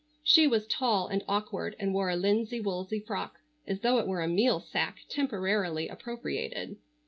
She was tall and awkward and wore a linsey woolsey frock as though it were a meal sack temporarily appropriated.